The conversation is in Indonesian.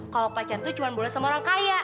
kalau pacar tuh cuma boleh sama orang kaya